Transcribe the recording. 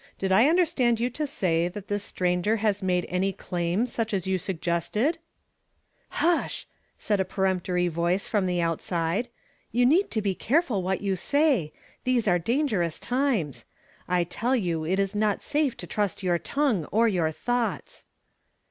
Did I understand you to say that this stranger has made any claim such as j'ou suggested ?"" Hush !" said a peremptory voice from the outside. " You need to be careful what you say. These are dangerous times. I tell you it is not safe to trust your tongue or your thoughts."